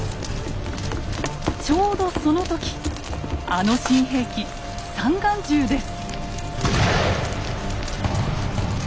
ちょうどその時あの新兵器三眼銃です。